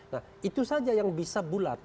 nah itu saja yang bisa bulat